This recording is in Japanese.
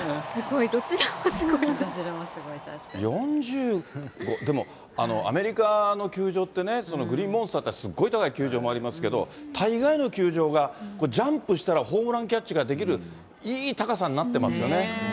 すごい、４０号、でも、アメリカの球場ってね、グリーンモンスターって、すごい高い球場もありますけれども、大概の球場が、ジャンプしたらホームランキャッチができる、いい高さになっていますよね。